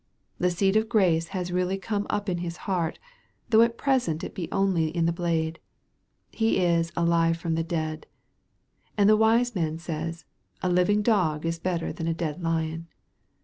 The seed of grace has really come up in his heart, though at present it be only in the blade. He is " alive from the dead." And the wise man says, " a living dog is better than a dead lion."